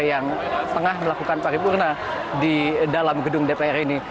yang tengah melakukan paripurna di dalam gedung dpr ini